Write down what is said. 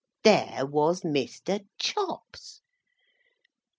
There was Mr. Chops!